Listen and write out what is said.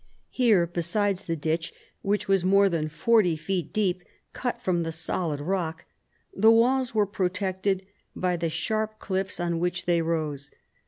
Here, besides the ditch, which was more than forty feet deep, cut from the solid rock, the walls were protected by the sharp cliffs on which they rose.